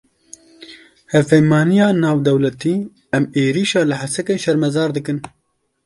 Hevpeymaniya Navdewletî: Em êrîşa li Hesekê şermezar dikin.